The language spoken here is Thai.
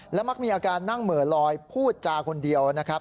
และมักมีอาการนั่งเหม่อลอยพูดจาคนเดียวนะครับ